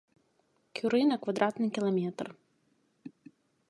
Кюры на квадратны кіламетр.